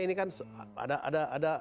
ini kan ada